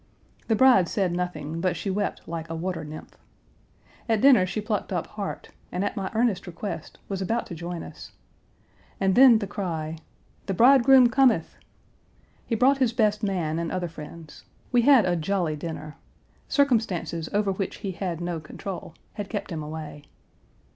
The bride said nothing, but she wept like a water nymph. At dinner she plucked up heart, and at my earnest request was about to join us. And then the cry, 'The bridegroom cometh' He brought his best man and other friends. We had a jolly dinner. 'Circumstances over which he had no control' had kept him away.